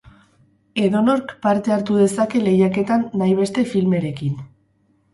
Edonork, parte hartu dezake lehiaketan nahi beste filmerekin.